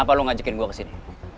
kenapa lo ngajakin gue kesini